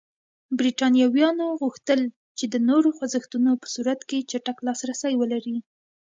برېټانویانو غوښتل چې د نورو خوځښتونو په صورت کې چټک لاسرسی ولري.